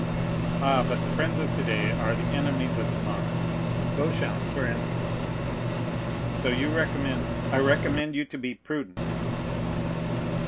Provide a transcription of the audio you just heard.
"Ah, but the friends of today are the enemies of tomorrow; Beauchamp, for instance." "So you recommend——" "I recommend you to be prudent."